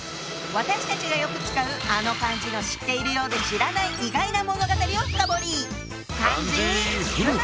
私たちがよく使うあの漢字の知っているようで知らない意外な物語を深堀り！